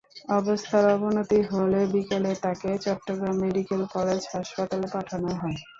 অবস্থার অবনতি হলে বিকেলে তাঁকে চট্টগ্রাম মেডিকেল কলেজ হাসপাতালে পাঠানো হয়।